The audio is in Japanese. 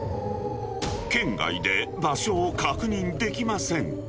圏外で場所を確認できません。